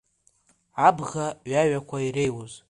Абӷа ҩаҩақәа иреиуз…